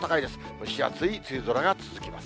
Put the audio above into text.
蒸し暑い梅雨空が続きます。